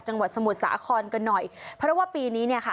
จังหวัดสมุทรสาครกันหน่อยเพราะว่าปีนี้เนี่ยค่ะ